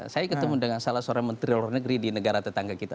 saya ketemu dengan salah seorang menteri luar negeri di negara tetangga kita